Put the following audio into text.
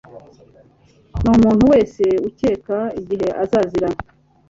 Ni umuntu wese ukeka igihe azazira